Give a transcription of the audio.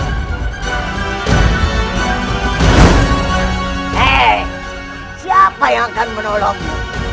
hei siapa yang akan menolongmu